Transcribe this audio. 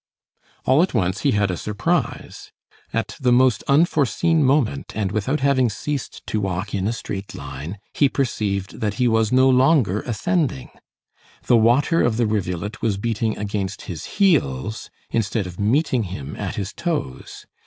All at once, he had a surprise. At the most unforeseen moment, and without having ceased to walk in a straight line, he perceived that he was no longer ascending; the water of the rivulet was beating against his heels, instead of meeting him at his toes.